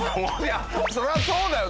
そりゃそうだよ。